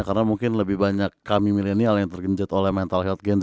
karena mungkin lebih banyak kami milenial yang tergencet oleh mental health gen z